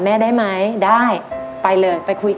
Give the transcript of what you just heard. ถ้าคิดว่าอยากร้องก็ร้อง